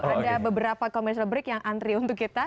ada beberapa commercial break yang antri untuk kita